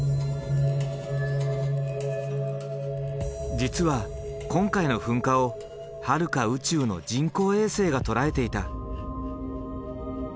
実は今回の噴火をはるか宇宙の人工衛星が捉えていた。